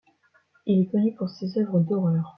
Il est connu pour ses œuvres d'horreur.